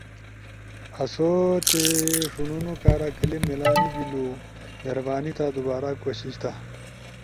آسو تے ݜونونو کارا کلپ میلاؤ نی بیلو، مہربانی تھا دوبارا کوشش تھا۔